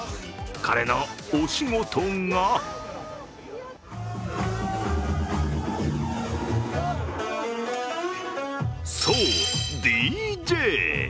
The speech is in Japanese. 彼のお仕事が、そう、ＤＪ。